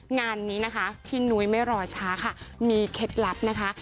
งานนี้นะคะพี่นุ้ยไม่รอช้าค่ะมีเคล็ดลับนะคะ